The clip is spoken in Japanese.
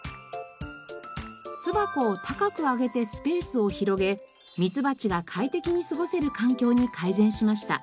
巣箱を高く上げてスペースを広げミツバチが快適に過ごせる環境に改善しました。